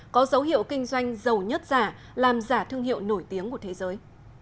có dấu hiệu kinh doanh dầu nhất giả làm giả thương hiệu nổi tiếng của thế giới